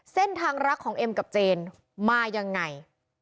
เส้นทางรักของเอ็มกับเจนมายังไง